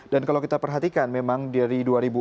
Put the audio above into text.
dan kalau kita perhatikan memang dari dua ribu enam belas